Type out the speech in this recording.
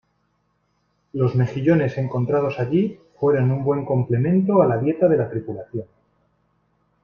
Los mejillones encontrados allí fueron un buen complemento a la dieta de la tripulación.